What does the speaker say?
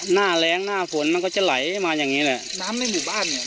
หน้าแรงหน้าฝนมันก็จะไหลมาอย่างงี้แหละน้ำในหมู่บ้านเนี้ย